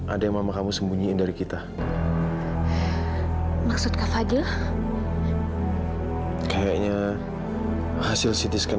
ada yang mama kamu sembunyi dari kita maksud kak fadil kayaknya hasil sitiskan